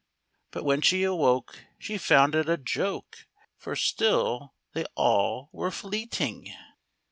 But when she awoke, she found it a joke, For still they all were fleeting.